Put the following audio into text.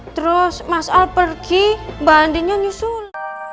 terus mas ali pergi mbak andinnya nyusul